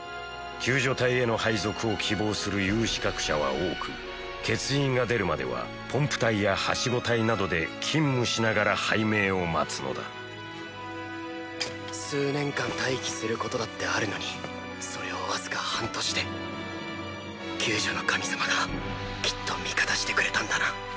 救助隊への配属を希望する有資格者は多く欠員が出るまではポンプ隊やはしご隊などで勤務しながら拝命を待つのだ数年間待機することだってあるのにそれをわずか半年で救助の神様がきっと味方してくれたんだな。